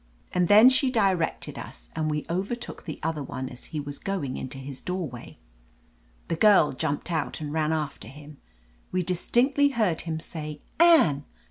And then she directed 280 OF LETITIA CARBERRY us, and we overtook the other one as he was going into his doorway. The girl jumped out and ran after him. We distinctly heard him say, "Anne!